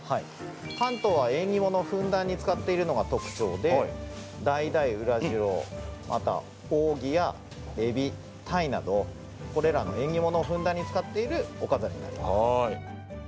関東は縁起物をふんだんに使っているのが特徴でだいだい、ウラジロまた、扇や、えび、鯛などこれらの縁起物をふんだんに使っているお飾りになります。